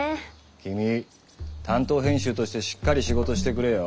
君担当編集としてしっかり仕事してくれよ。